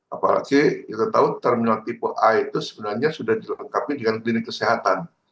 apalagi kita tahu terminal tipe a itu sebenarnya sudah dilengkapi dengan klinik kesehatan